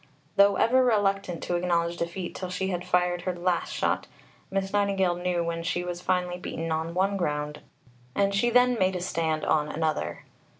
Though ever reluctant to acknowledge defeat till she had fired her last shot, Miss Nightingale knew when she was finally beaten on one ground and she then made a stand on another.